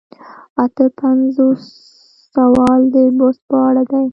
اته پنځوسم سوال د بست په اړه دی.